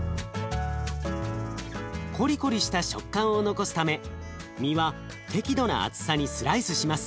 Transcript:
コリコリした食感を残すため身は適度な厚さにスライスします。